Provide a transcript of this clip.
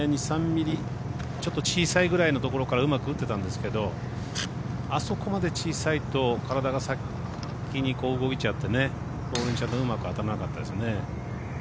２３ミリちょっと小さいぐらいのところからうまく打ってたんですけどあそこまで小さいと体が先に動いちゃってうまく当たらなかったですね。